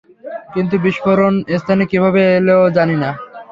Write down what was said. কিন্তু বিস্ফোরণ স্থানে কিভাবে এলো জানি না।